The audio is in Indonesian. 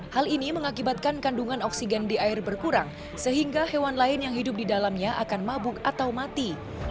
hal ini mengakibatkan kandungan oksigen di air berkurang sehingga hewan lain yang hidup di dalamnya akan mabuk atau mati